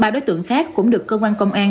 ba đối tượng khác cũng được cơ quan công an